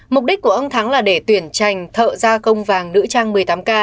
mục đích của ông thắng là để tuyển trành thợ gia công vàng nữ trang một mươi tám k